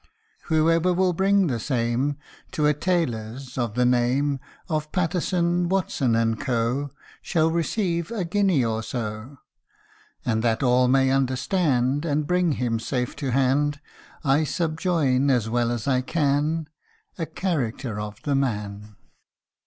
Whoever will bring the same To a tailor's of the name Of Patterson, Watson, and Co., Shall receive a guinea or so. 224 DESCRIPTION OF A LOST FRIEND. And that all may understand, And bring him safe to hand, I subjoin as well as I can, The character of the man.